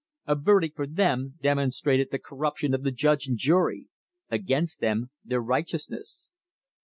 A verdict for them demonstrated the corruption of the judge and jury; against them their righteousness.